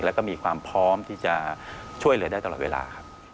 และก็มีความพร้อมที่จะช่วยเลยได้ตลอดเวลา